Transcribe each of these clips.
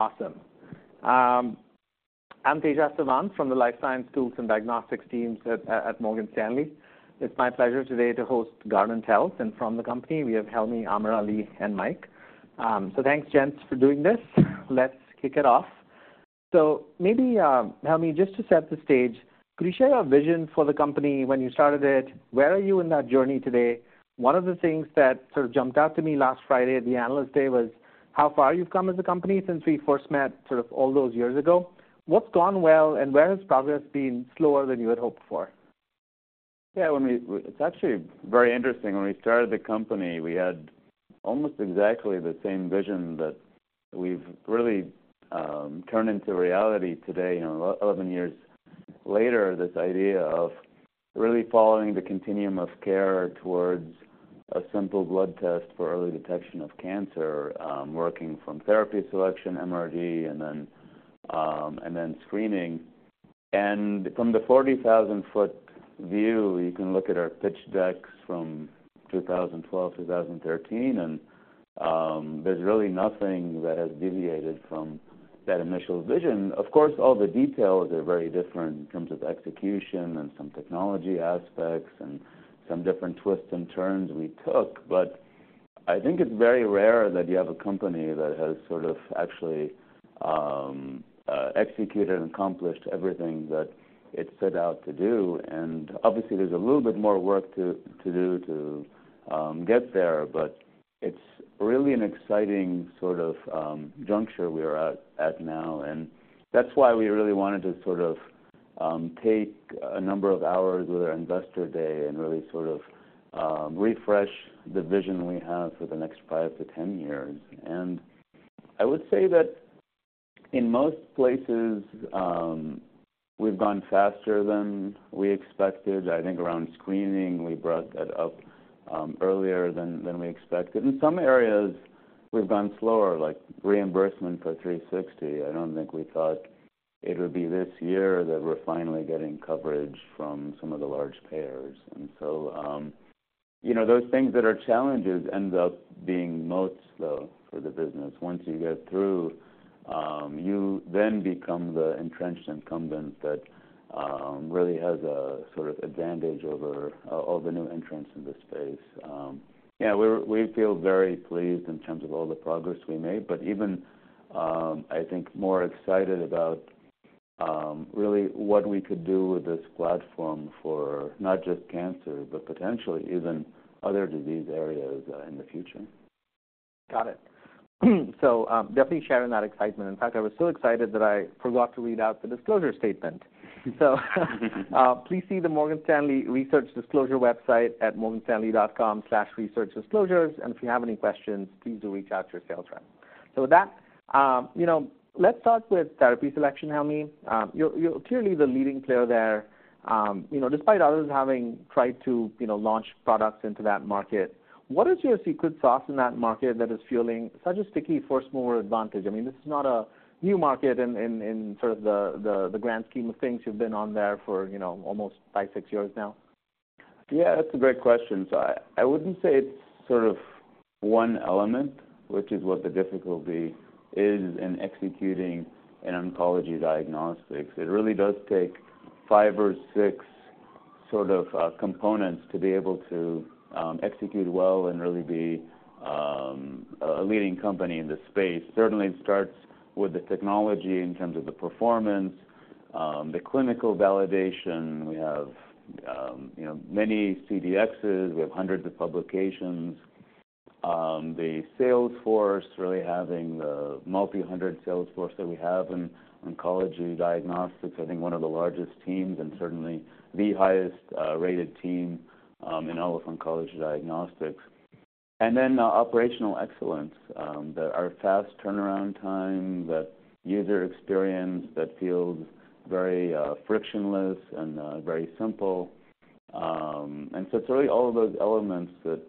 Awesome. I'm Tejas Savant from the Life Sciences Tools and Diagnostics team at Morgan Stanley. It's my pleasure today to host Guardant Health, and from the company we have Helmy, AmirAli, and Mike. So thanks, gents, for doing this. Let's kick it off. So maybe, Helmy, just to set the stage, could you share your vision for the company when you started it? Where are you in that journey today? One of the things that sort of jumped out to me last Friday at the Analyst Day was how far you've come as a company since we first met, sort of, all those years ago. What's gone well, and where has progress been slower than you had hoped for? Yeah, when we it's actually very interesting. When we started the company, we had almost exactly the same vision that we've really turned into reality today. You know, 11 years later, this idea of really following the continuum of care towards a simple blood test for early detection of cancer, working from therapy selection, MRD, and then and then screening. And from the 40,000-foot view, you can look at our pitch decks from 2012 to 2013, and there's really nothing that has deviated from that initial vision. Of course, all the details are very different in terms of execution and some technology aspects and some different twists and turns we took, but I think it's very rare that you have a company that has sort of actually executed and accomplished everything that it set out to do. And obviously, there's a little bit more work to do to get there, but it's really an exciting sort of juncture we are at now. And that's why we really wanted to sort of take a number of hours with our investor day and really sort of refresh the vision we have for the next 5-10 years. And I would say that in most places, we've gone faster than we expected. I think around screening, we brought that up earlier than we expected. In some areas, we've gone slower, like reimbursement for Guardant360. I don't think we thought it would be this year that we're finally getting coverage from some of the large payers. And so, you know, those things that are challenges end up being most slow for the business. Once you get through, you then become the entrenched incumbent that really has a sort of advantage over the new entrants in this space. Yeah, we're, we feel very pleased in terms of all the progress we made, but even, I think more excited about really what we could do with this platform for not just cancer, but potentially even other disease areas in the future. Got it. So, definitely sharing that excitement. In fact, I was so excited that I forgot to read out the disclosure statement. So, please see the Morgan Stanley Research Disclosure website at morganstanley.com/researchdisclosures, and if you have any questions, please do reach out to your sales rep. So with that, you know, let's start with therapy selection, Helmy. You're, you're clearly the leading player there. You know, despite others having tried to, you know, launch products into that market, what is your secret sauce in that market that is fueling such a sticky, first-mover advantage? I mean, this is not a new market in sort of the grand scheme of things. You've been on there for, you know, almost 5-6 years now. Yeah, that's a great question. So I, I wouldn't say it's sort of one element, which is what the difficulty is in executing an oncology diagnostics. It really does take five or six sort of, components to be able to, execute well and really be, a, a leading company in this space. Certainly, it starts with the technology in terms of the performance, the clinical validation. We have, you know, many CDXs, we have hundreds of publications. The sales force, really having the multi-hundred sales force that we have in oncology diagnostics, I think one of the largest teams and certainly the highest, rated team, in all of oncology diagnostics. And then, operational excellence, that our fast turnaround time, that user experience that feels very, frictionless and, very simple. And so it's really all of those elements that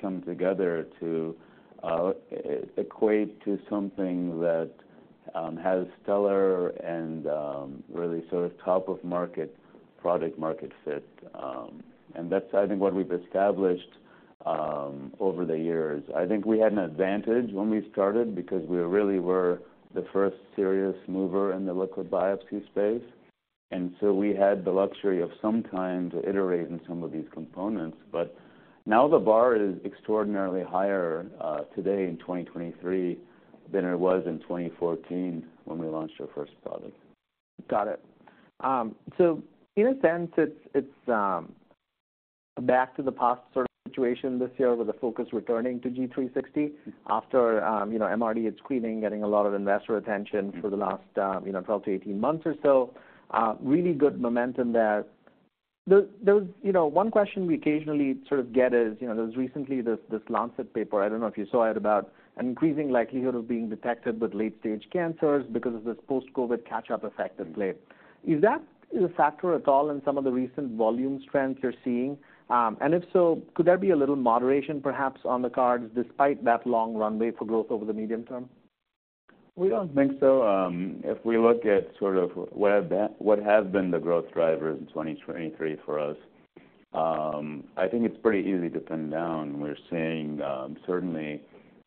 come together to equate to something that has stellar and really sort of top of market, product market fit. And that's, I think, what we've established over the years. I think we had an advantage when we started because we really were the first serious mover in the liquid biopsy space, and so we had the luxury of some time to iterate in some of these components. But now the bar is extraordinarily higher today in 2023, than it was in 2014 when we launched our first product. Got it. So in a sense, it's back to the past sort of situation this year, with the focus returning to Guardant360 after, you know, MRD and screening, getting a lot of investor attention for the last, you know, 12-18 months or so. Really good momentum there. There was. You know, one question we occasionally sort of get is, you know, there's recently this Lancet paper, I don't know if you saw it, about an increasing likelihood of being detected with late-stage cancers because of this post-COVID catch-up effect at play. Is that a factor at all in some of the recent volume trends you're seeing? And if so, could there be a little moderation, perhaps, on the cards, despite that long runway for growth over the medium term? We don't think so. If we look at sort of what have been, what has been the growth drivers in 2023 for us, I think it's pretty easy to pin down. We're seeing certainly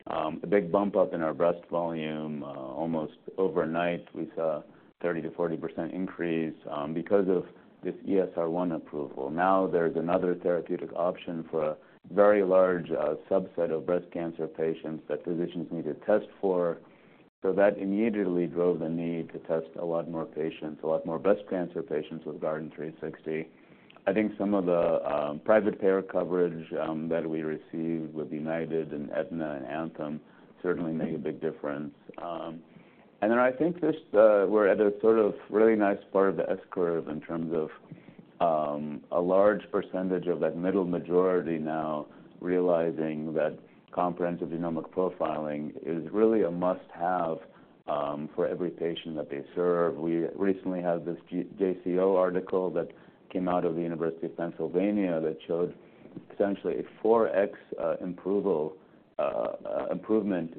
a big bump up in our breast volume. Almost overnight, we saw 30%-40% increase because of this ESR1 approval. Now, there's another therapeutic option for a very large subset of breast cancer patients that physicians need to test for. So that immediately drove the need to test a lot more patients, a lot more breast cancer patients with Guardant360. I think some of the private payer coverage that we received with United and Aetna and Anthem certainly made a big difference. And then I think this, we're at a sort of really nice part of the S-curve in terms of, a large percentage of that middle majority now realizing that comprehensive genomic profiling is really a must-have, for every patient that they serve. We recently had this JCO article that came out of the University of Pennsylvania, that showed essentially a 4x overall survival improvement,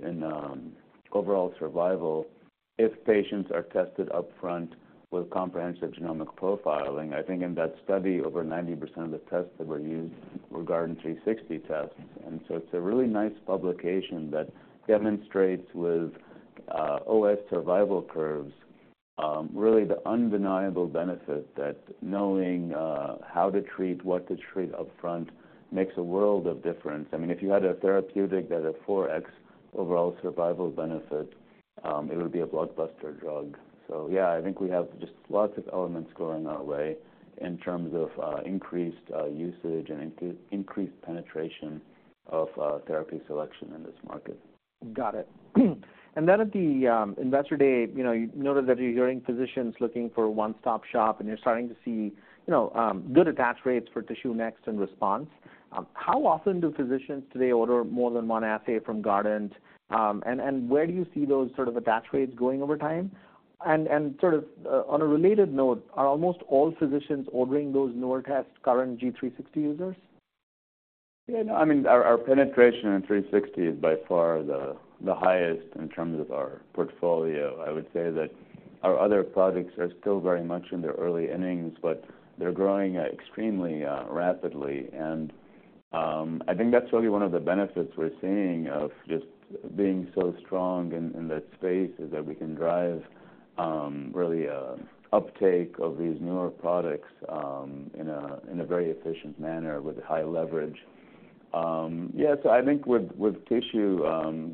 if patients are tested upfront with comprehensive genomic profiling. I think in that study, over 90% of the tests that were used were Guardant360 tests, and so it's a really nice publication that demonstrates with, OS survival curves, really the undeniable benefit that knowing, how to treat, what to treat upfront makes a world of difference. I mean, if you had a therapeutic that had 4x overall survival benefit, it would be a blockbuster drug. So yeah, I think we have just lots of elements going our way in terms of increased usage and increased penetration of therapy selection in this market. Got it. And then at the Investor Day, you know, you noted that you're hearing physicians looking for a one-stop shop, and you're starting to see, you know, good attach rates for TissueNext in response. How often do physicians today order more than one assay from Guardant? And where do you see those sort of attach rates going over time? And sort of, on a related note, are almost all physicians ordering those newer tests, current G360 users? Yeah, no, I mean, our penetration in 360 is by far the highest in terms of our portfolio. I would say that our other products are still very much in their early innings, but they're growing extremely rapidly. I think that's really one of the benefits we're seeing of just being so strong in that space, is that we can drive really a uptake of these newer products in a very efficient manner with high leverage. Yes, I think with tissue,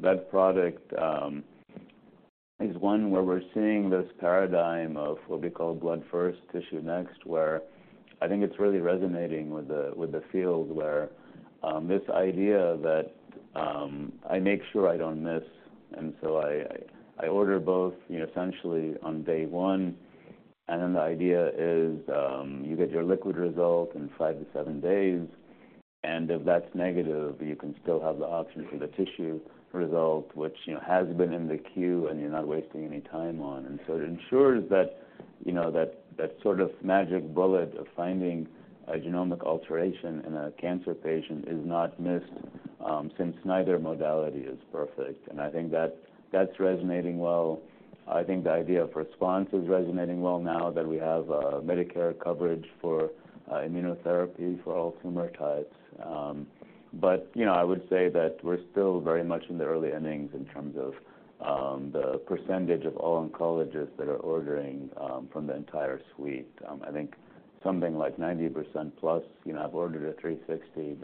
that product is one where we're seeing this paradigm of what we call blood first, tissue next, where I think it's really resonating with the field, where this idea that I make sure I don't miss, and so I order both, you know, essentially on day one. Then the idea is, you get your liquid result in 5-7 days, and if that's negative, you can still have the option for the tissue result, which, you know, has been in the queue, and you're not wasting any time on. So it ensures that, you know, that sort of magic bullet of finding a genomic alteration in a cancer patient is not missed, since neither modality is perfect. I think that's, that's resonating well. I think the idea of response is resonating well now that we have Medicare coverage for immunotherapy for all tumor types. But, you know, I would say that we're still very much in the early innings in terms of the percentage of all oncologists that are ordering from the entire suite. I think something like 90%+, you know, have ordered a 360,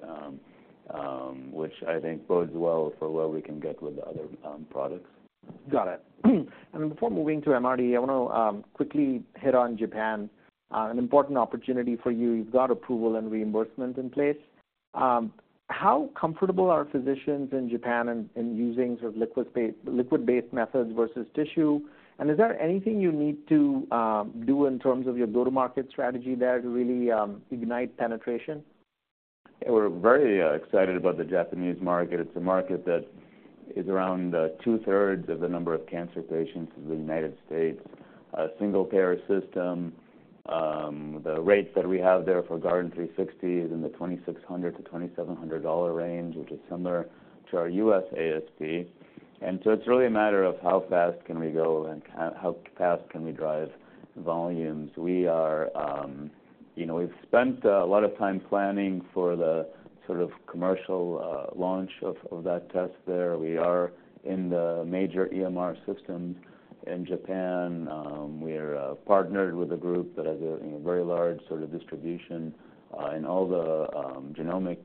which I think bodes well for where we can get with the other products. Got it. Before moving to MRD, I want to quickly hit on Japan. An important opportunity for you. You've got approval and reimbursement in place. How comfortable are physicians in Japan in using sort of liquid-based methods versus tissue? And is there anything you need to do in terms of your go-to-market strategy there to really ignite penetration? Yeah, we're very excited about the Japanese market. It's a market that is around two-thirds of the number of cancer patients in the United States. A single-payer system, the rates that we have there for Guardant360 is in the $2,600-$2,700 range, which is similar to our U.S. ASP. And so it's really a matter of how fast can we go and how fast can we drive volumes. We are. You know, we've spent a lot of time planning for the sort of commercial launch of that test there. We are in the major EMR systems in Japan. We're partnered with a group that has a very large sort of distribution in all the genomic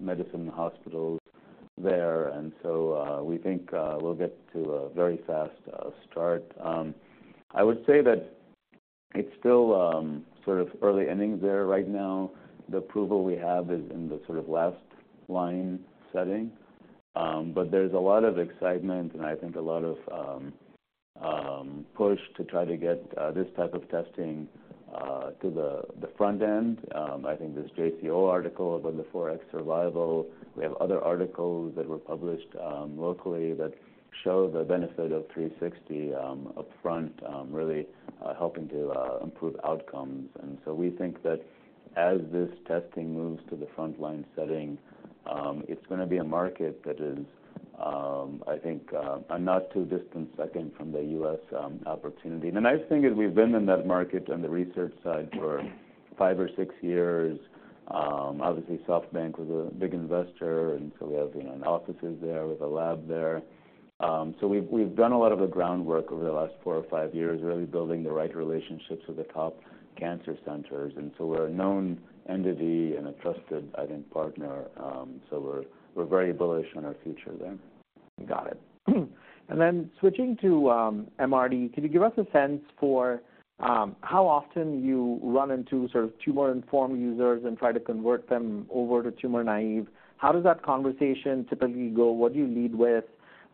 medicine hospitals there. And so, we think we'll get to a very fast start. I would say that it's still sort of early innings there right now. The approval we have is in the sort of last line setting. But there's a lot of excitement and I think a lot of push to try to get this type of testing to the front end. I think this JCO article about the 4x survival, we have other articles that were published locally, that show the benefit of 360 upfront, really helping to improve outcomes. And so we think that as this testing moves to the frontline setting, it's gonna be a market that is, I think, a not too distant second from the U.S. opportunity. The nice thing is we've been in that market on the research side for 5 or 6 years. Obviously, SoftBank was a big investor, and so we have, you know, an offices there with a lab there. So we've done a lot of the groundwork over the last 4 or 5 years, really building the right relationships with the top cancer centers. And so we're a known entity and a trusted, I think, partner. So we're very bullish on our future there. Got it. And then switching to, MRD, can you give us a sense for, how often you run into sort of tumor-informed users and try to convert them over to tumor-naive? How does that conversation typically go? What do you lead with?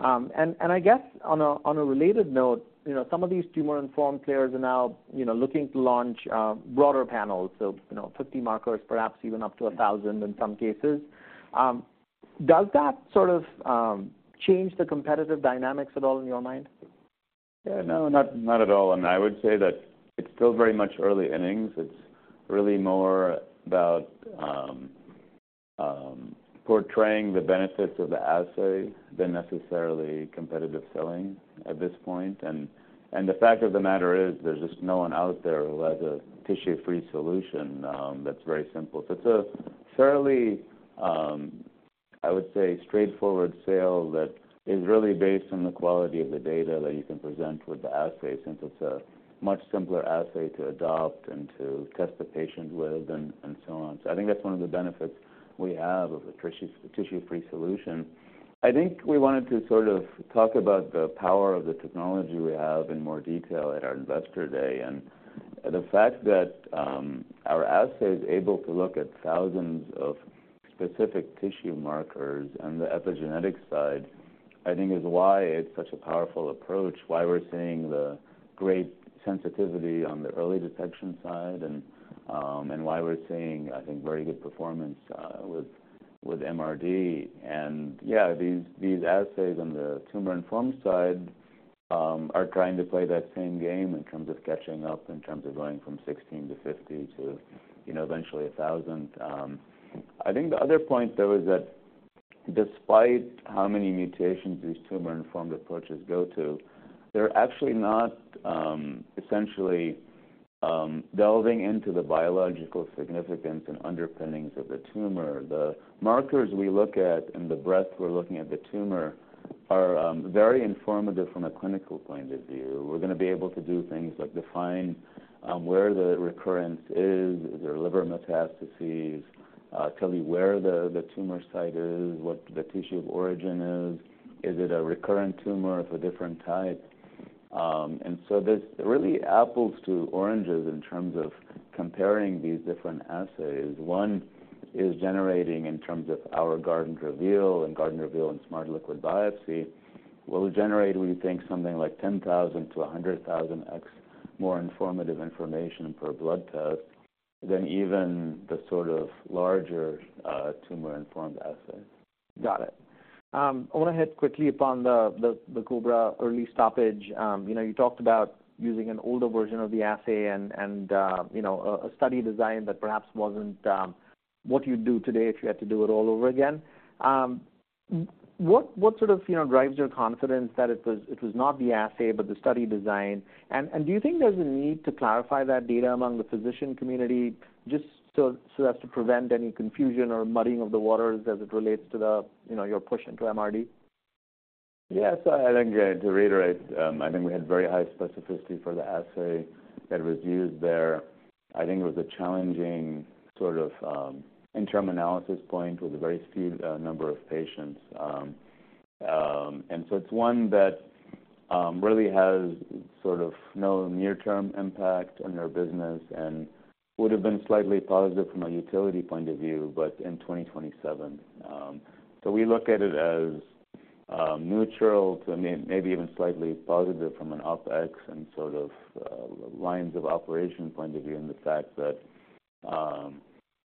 And, and I guess on a, on a related note, you know, some of these tumor-informed players are now, you know, looking to launch, broader panels, so, you know, 50 markers, perhaps even up to 1,000 in some cases. Does that sort of, change the competitive dynamics at all in your mind? Yeah, no, not at all. I mean, I would say that it's still very much early innings. It's really more about portraying the benefits of the assay than necessarily competitive selling at this point. And the fact of the matter is, there's just no one out there who has a tissue-free solution that's very simple. So it's a fairly straightforward sale that is really based on the quality of the data that you can present with the assay, since it's a much simpler assay to adopt and to test the patient with and so on. So I think that's one of the benefits we have of a tissue-free solution. I think we wanted to sort of talk about the power of the technology we have in more detail at our investor day. The fact that our assay is able to look at thousands of specific tissue markers on the epigenetic side, I think is why it's such a powerful approach, why we're seeing the great sensitivity on the early detection side, and why we're seeing, I think, very good performance with MRD. And yeah, these assays on the Tumor-informed side are trying to play that same game in terms of catching up, in terms of going from 16 to 50 to, you know, eventually 1,000. I think the other point, though, is that despite how many mutations these Tumor-informed approaches go to, they're actually not essentially delving into the biological significance and underpinnings of the tumor. The markers we look at and the breadth we're looking at the tumor are very informative from a clinical point of view. We're gonna be able to do things like define where the recurrence is, is there liver metastases, tell you where the tumor site is, what the tissue of origin is, is it a recurrent tumor of a different type? And so there's really apples to oranges in terms of comparing these different assays. One is generating in terms of our Guardant Reveal and Guardant Reveal and Smart Liquid Biopsy, will generate, we think, something like 10,000-100,000X more informative information per blood test than even the sort of larger tumor-informed assay. Got it. I want to hit quickly upon the COBRA early stoppage. You know, you talked about using an older version of the assay and a study design that perhaps wasn't what you'd do today if you had to do it all over again. What sort of drives your confidence that it was not the assay, but the study design? And do you think there's a need to clarify that data among the physician community, just so as to prevent any confusion or muddying of the waters as it relates to your push into MRD? Yes, I think, to reiterate, I think we had very high specificity for the assay that was used there. I think it was a challenging sort of interim analysis point with a very steep number of patients. And so it's one that really has sort of no near-term impact on our business and would have been slightly positive from a utility point of view, but in 2027. So we look at it as neutral to maybe even slightly positive from an OpEx and sort of lines of operation point of view, and the fact that,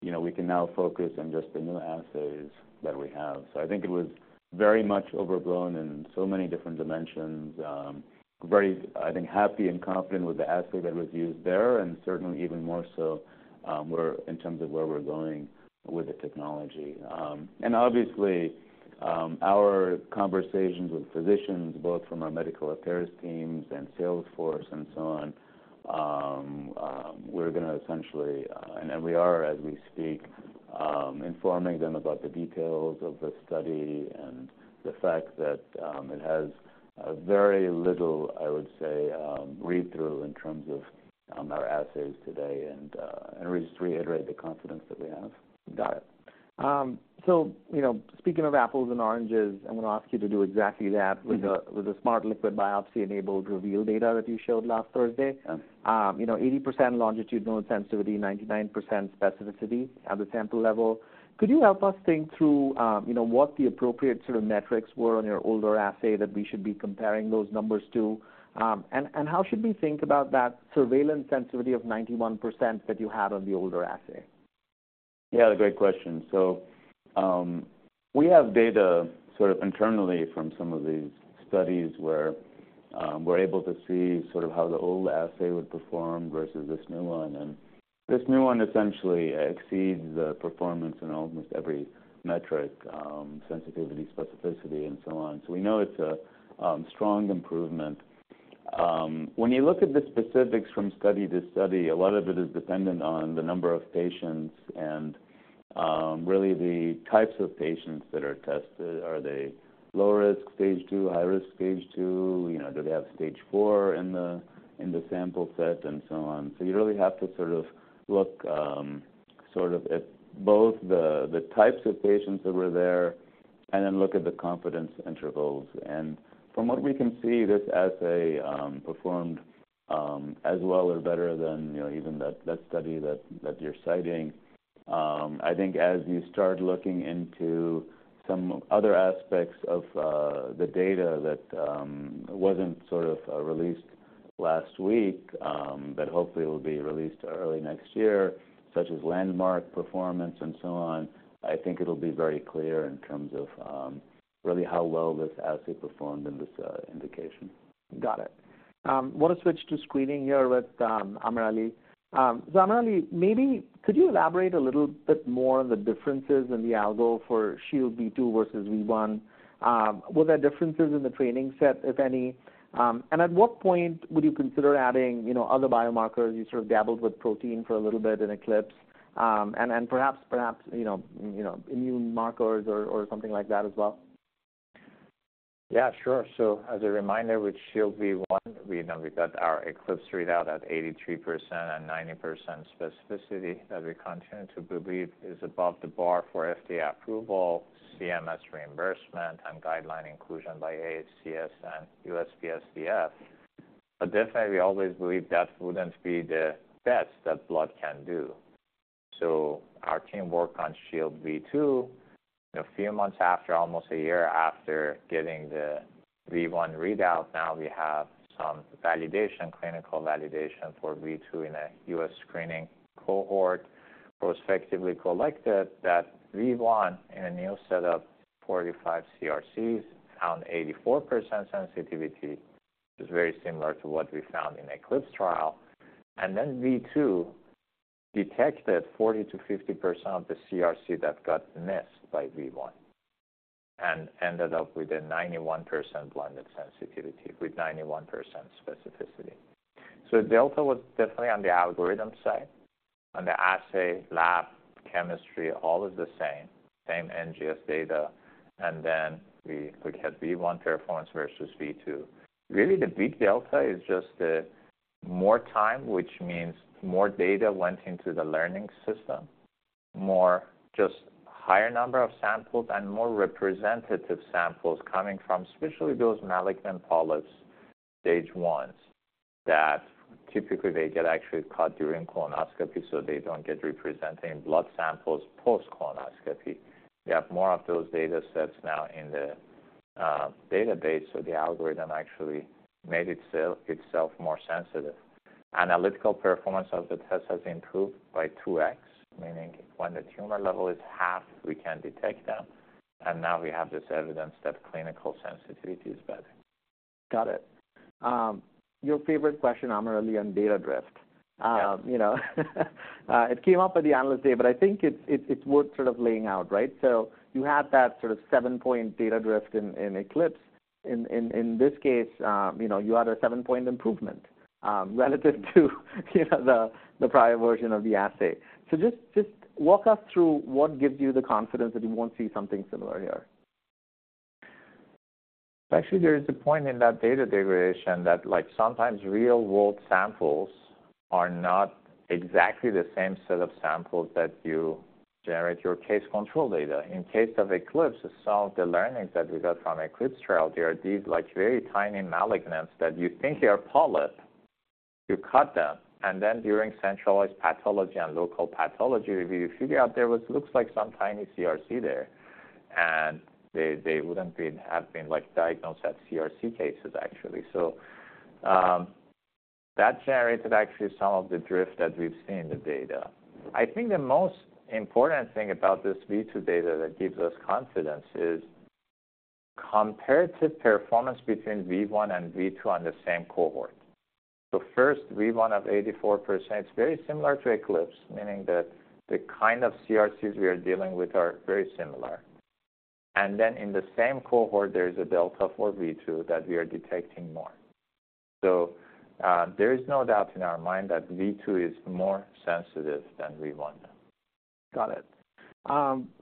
you know, we can now focus on just the new assays that we have. So I think it was very much overblown in so many different dimensions. Very, I think, happy and confident with the assay that was used there, and certainly even more so, we're in terms of where we're going with the technology. And obviously, our conversations with physicians, both from our medical affairs teams and sales force and so on, we're gonna essentially, and we are, as we speak, informing them about the details of the study and the fact that it has very little, I would say, read-through in terms of our assays today, and just reiterate the confidence that we have. Got it. So, you know, speaking of apples and oranges, I'm gonna ask you to do exactly that- Mm-hmm. with the Smart Liquid Biopsy-enabled Reveal data that you showed last Thursday. Yes. You know, 80% longitudinal sensitivity, 99% specificity at the sample level. Could you help us think through, you know, what the appropriate sort of metrics were on your older assay that we should be comparing those numbers to? And how should we think about that surveillance sensitivity of 91% that you had on the older assay? Yeah, great question. So, we have data sort of internally from some of these studies where, we're able to see sort of how the old assay would perform versus this new one. And this new one essentially exceeds the performance in almost every metric, sensitivity, specificity, and so on. So we know it's a strong improvement. When you look at the specifics from study to study, a lot of it is dependent on the number of patients and, really the types of patients that are tested. Are they low risk Stage II, high risk Stage II? You know, do they have Stage IV in the, in the sample set, and so on. So you really have to sort of look, sort of at both the, the types of patients that were there and then look at the confidence intervals. From what we can see, this assay performed as well or better than, you know, even that study that you're citing. I think as you start looking into some other aspects of the data that wasn't sort of released last week, but hopefully will be released early next year, such as landmark performance and so on, I think it'll be very clear in terms of really how well this assay performed in this indication. Got it. I want to switch to screening here with AmirAli. So AmirAli, maybe could you elaborate a little bit more on the differences in the algo for Shield V2 versus V1? Were there differences in the training set, if any? And at what point would you consider adding, you know, other biomarkers? You sort of dabbled with protein for a little bit in ECLIPSE. And then perhaps, you know, you know, immune markers or, or something like that as well. Yeah, sure. So as a reminder, with Shield V1, we know we got our ECLIPSE readout at 83% and 90% specificity that we continue to believe is above the bar for FDA approval, CMS reimbursement, and guideline inclusion by ACS and USPSTF. But definitely, we always believe that wouldn't be the best that blood can do. So our team worked on Shield V2. A few months after, almost a year after getting the V1 readout, now we have some validation, clinical validation for V2 in a U.S. screening cohort, respectively collected that V1 in a new set of 45 CRCs, found 84% sensitivity, which is very similar to what we found in ECLIPSE trial. And then V2 detected 40%-50% of the CRC that got missed by V1 and ended up with a 91% blended sensitivity, with 91% specificity. So delta was definitely on the algorithm side, and the assay, lab, chemistry, all is the same, same NGS data. And then we look at V1 performance versus V2. Really, the big delta is just the more time, which means more data went into the learning system, more just higher number of samples and more representative samples coming from especially those malignant polyps, stage ones, that typically they get actually caught during colonoscopy, so they don't get represented in blood samples post-colonoscopy. We have more of those data sets now in the database, so the algorithm actually made itself more sensitive. Analytical performance of the test has improved by 2x, meaning when the tumor level is half, we can detect them, and now we have this evidence that clinical sensitivity is better. Got it. Your favorite question, AmirAli, on data drift. Yeah. You know, it came up at the Analyst Day, but I think it's worth sort of laying out, right? So you had that sort of seven-point data drift in Eclipse. In this case, you know, you had a seven-point improvement relative to, you know, the prior version of the assay. So just walk us through what gives you the confidence that you won't see something similar here. Actually, there is a point in that data degradation that, like sometimes real-world samples are not exactly the same set of samples that you generate your case control data. In case of ECLIPSE, some of the learnings that we got from ECLIPSE trial, there are these, like, very tiny malignant that you think they are polyp, you cut them, and then during centralized pathology and local pathology review, you figure out there was. looks like some tiny CRC there, and they, they wouldn't have been, like, diagnosed as CRC cases, actually. So, that generated actually some of the drift that we've seen in the data. I think the most important thing about this V2 data that gives us confidence is comparative performance between V1 and V2 on the same cohort. So first, V1 of 84%, it's very similar to ECLIPSE, meaning that the kind of CRCs we are dealing with are very similar. And then in the same cohort, there is a delta for V2 that we are detecting more. So, there is no doubt in our mind that V2 is more sensitive than V1. Got it.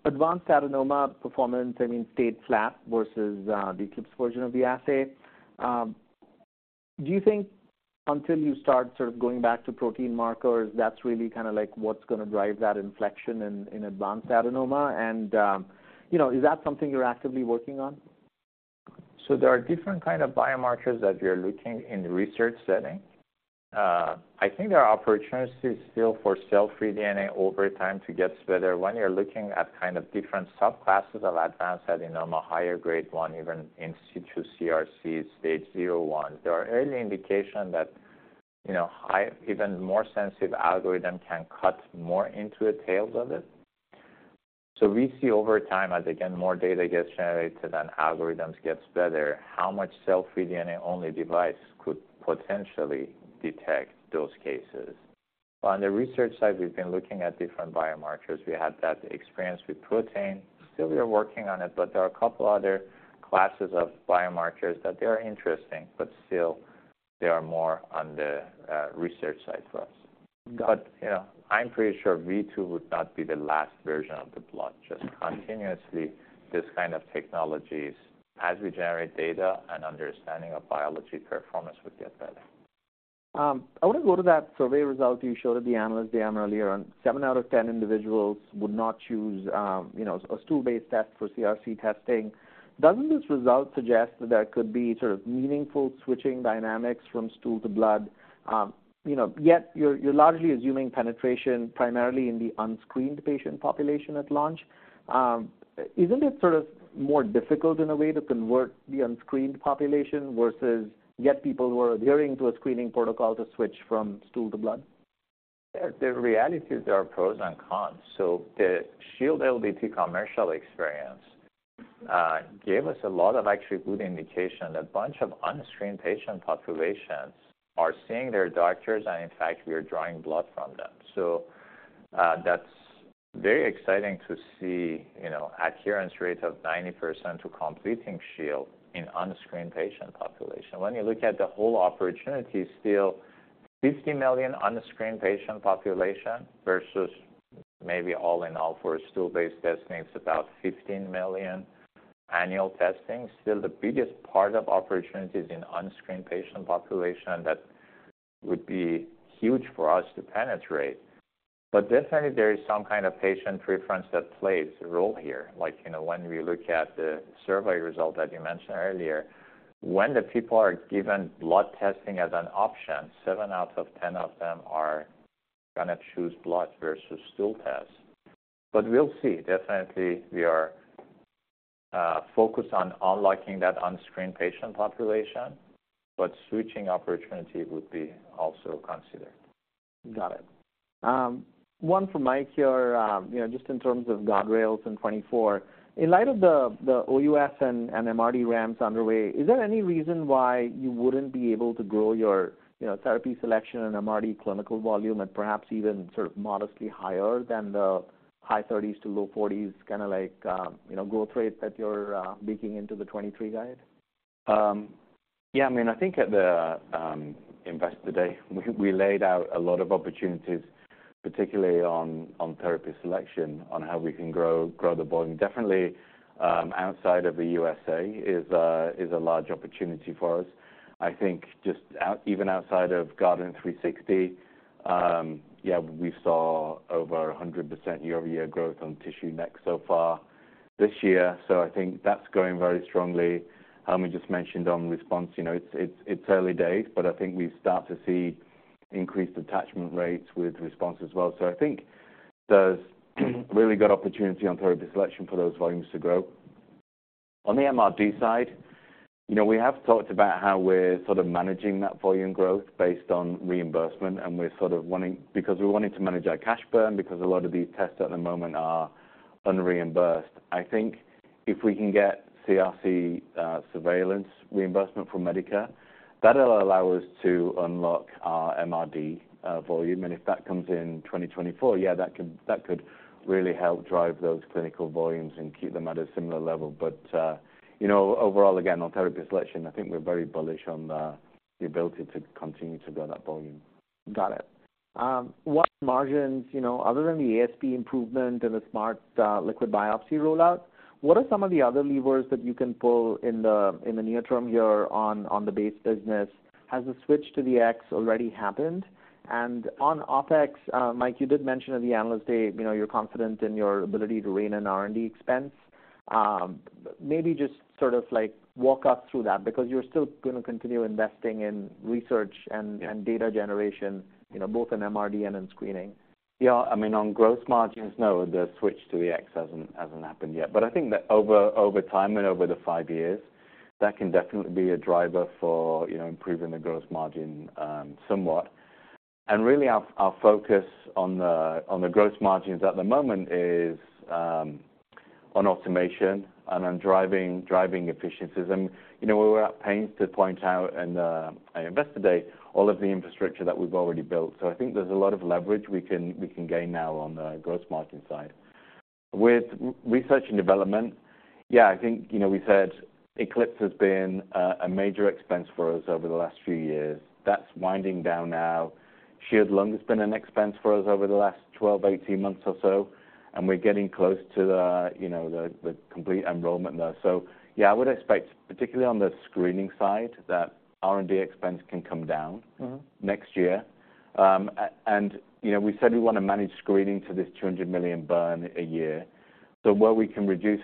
Advanced adenoma performance, I mean, stayed flat versus the Eclipse version of the assay. Do you think until you start sort of going back to protein markers, that's really kind of like what's going to drive that inflection in, in advanced adenoma? And, you know, is that something you're actively working on? So there are different kind of biomarkers that we are looking in the research setting. I think there are opportunities still for cell-free DNA over time to get better. When you're looking at kind of different subclasses of advanced adenoma, higher grade one, even in situ CRCs, Stage 0/I. There are early indication you know, high, even more sensitive algorithm can cut more into the tails of it. So we see over time, as again, more data gets generated and algorithms gets better, how much cell-free DNA only device could potentially detect those cases. On the research side, we've been looking at different biomarkers. We had that experience with protein. Still, we are working on it, but there are a couple other classes of biomarkers that they are interesting, but still they are more on the research side for us. You know, I'm pretty sure V2 would not be the last version of the blood. Just continuously, this kind of technologies, as we generate data and understanding of biology, performance would get better. I want to go to that survey result you showed at the Analyst Day earlier, on 7 out of 10 individuals would not choose, you know, a stool-based test for CRC testing. Doesn't this result suggest that there could be sort of meaningful switching dynamics from stool to blood? You know, yet you're, you're largely assuming penetration primarily in the unscreened patient population at launch. Isn't it sort of more difficult in a way to convert the unscreened population versus get people who are adhering to a screening protocol to switch from stool to blood? The reality is there are pros and cons. So the Shield LDT commercial experience gave us a lot of actually good indication that a bunch of unscreened patient populations are seeing their doctors, and in fact, we are drawing blood from them. So that's very exciting to see, you know, adherence rate of 90% to completing Shield in unscreened patient population. When you look at the whole opportunity, still 50 million unscreened patient population versus maybe all in all, for a stool-based testing, it's about 15 million annual testing. Still, the biggest part of opportunities in unscreened patient population, and that would be huge for us to penetrate. But definitely there is some kind of patient preference that plays a role here. Like, you know, when we look at the survey result that you mentioned earlier, when the people are given blood testing as an option, seven out of ten of them are gonna choose blood versus stool test. But we'll see. Definitely, we are focused on unlocking that unscreened patient population, but switching opportunity would be also considered. Got it. One for Mike here, you know, just in terms of guardrails and 2024. In light of the OUS and MRD ramps underway, is there any reason why you wouldn't be able to grow your, you know, therapy selection and MRD clinical volume, and perhaps even sort of modestly higher than the high 30s%-low 40s, kind of like, you know, growth rate that you're baking into the 2023 guide? Yeah, I mean, I think at the Investor Day, we laid out a lot of opportunities, particularly on therapy selection, on how we can grow the volume. Definitely, outside of the USA is a large opportunity for us. I think just even outside of Guardant360, yeah, we saw over 100% year-over-year growth on TissueNext so far this year, so I think that's going very strongly. We just mentioned on Response, you know, it's early days, but I think we start to see increased attachment rates with Response as well. So I think there's really good opportunity on therapy selection for those volumes to grow. On the MRD side, you know, we have talked about how we're sort of managing that volume growth based on reimbursement, and we're sort of wanting to manage our cash burn, because a lot of these tests at the moment are unreimbursed. I think if we can get CRC surveillance reimbursement from Medicare, that'll allow us to unlock our MRD volume. And if that comes in 2024, yeah, that can that could really help drive those clinical volumes and keep them at a similar level. But, you know, overall, again, on therapy selection, I think we're very bullish on the ability to continue to grow that volume. Got it. What margins, you know, other than the ASP improvement and the Smart Liquid Biopsy rollout, what are some of the other levers that you can pull in the, in the near term here on, on the base business? Has the switch to the X already happened? And on OpEx, Mike, you did mention at the Analyst Day, you know, you're confident in your ability to rein in R&D expense. Maybe just sort of, like, walk us through that, because you're still gonna continue investing in research and- Yeah and data generation, you know, both in MRD and in screening. Yeah, I mean, on gross margins, no, the switch to the X hasn't happened yet. But I think that over time and over the five years, that can definitely be a driver for, you know, improving the gross margin, somewhat. And really, our focus on the gross margins at the moment is on automation and on driving efficiencies. And, you know, we were at pains to point out in the Investor Day, all of the infrastructure that we've already built. So I think there's a lot of leverage we can gain now on the gross margin side. With research and development, yeah, I think, you know, we said ECLIPSE has been a major expense for us over the last few years. That's winding down now. Shield has been an expense for us over the last 12, 18 months or so, and we're getting close to the, you know, the complete enrollment there. So yeah, I would expect, particularly on the screening side, that R&D expense can come down- Mm-hmm next year. And, you know, we said we want to manage screening to this $200 million burn a year. So what we can reduce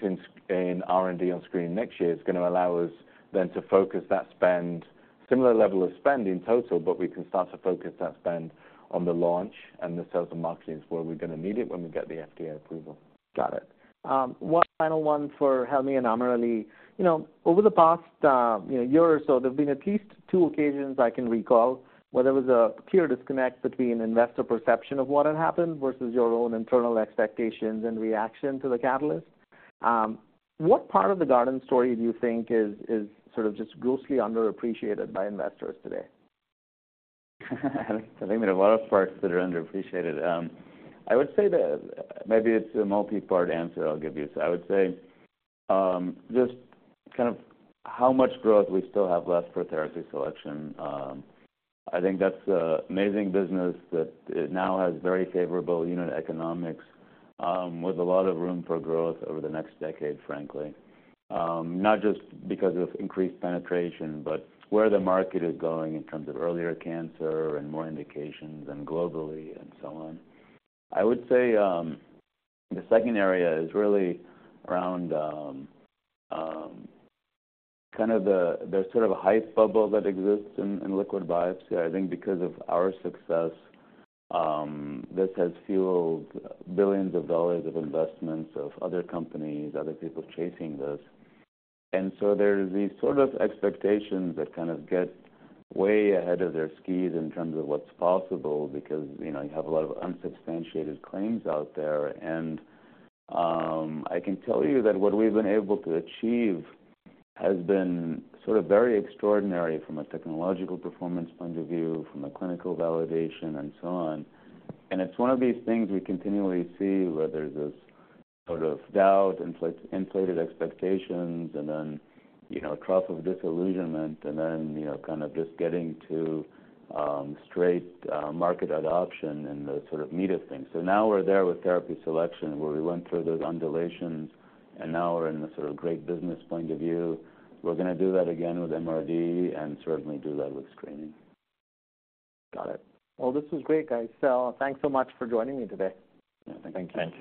in R&D on screening next year is going to allow us then to focus that spend, similar level of spend in total, but we can start to focus that spend on the launch and the sales and marketing, where we're going to need it when we get the FDA approval. Got it. One final one for Helmy and AmirAli. You know, over the past, you know, year or so, there have been at least two occasions I can recall, where there was a clear disconnect between investor perception of what had happened, versus your own internal expectations and reaction to the catalyst. What part of the Guardant story do you think is, is sort of just grossly underappreciated by investors today? I think there are a lot of parts that are underappreciated. I would say that maybe it's a multi-part answer I'll give you. So I would say, just kind of how much growth we still have left for therapy selection. I think that's an amazing business, that it now has very favorable unit economics, with a lot of room for growth over the next decade, frankly. Not just because of increased penetration, but where the market is going in terms of earlier cancer and more indications and globally and so on. I would say, the second area is really around, kind of the. There's sort of a hype bubble that exists in liquid biopsy. I think because of our success, this has fueled $ billions of investments, of other companies, other people chasing this. And so there's these sort of expectations that kind of get way ahead of their skis in terms of what's possible, because, you know, you have a lot of unsubstantiated claims out there. And I can tell you that what we've been able to achieve has been sort of very extraordinary from a technological performance point of view, from a clinical validation and so on. And it's one of these things we continually see, where there's this sort of doubt, inflated, inflated expectations, and then, you know, a trough of disillusionment, and then, you know, kind of just getting to straight market adoption and the sort of meat of things. So now we're there with therapy selection, where we went through those undulations, and now we're in the sort of great business point of view. We're going to do that again with MRD, and certainly do that with screening. Got it. Well, this was great, guys. So thanks so much for joining me today. Thank you. Thank you.